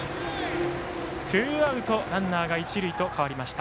ツーアウト、ランナーが一塁と変わりました。